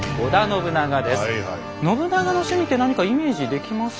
信長の趣味って何かイメージできますか？